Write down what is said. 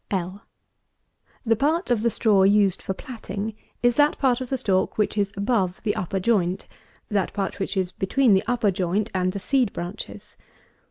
L. The part of the straw used for platting; that part of the stalk which is above the upper joint; that part which is between the upper joint and the seed branches.